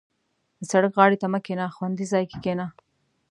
• د سړک غاړې ته مه کښېنه، خوندي ځای کې کښېنه.